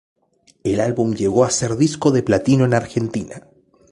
El álbum llegó a ser disco de platino en Argentina.